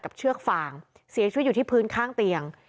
เชือกฟางเสียชีวิตอยู่ที่พื้นข้างเตียง